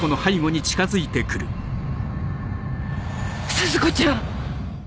鈴子ちゃん！